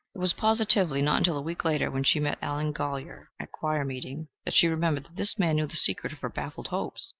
It was positively not until a week later, when she met Allen Golyer at choir meeting, that she remembered that this man knew the secret of her baffled hopes.